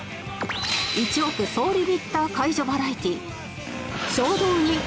一億総リミッター解除バラエティ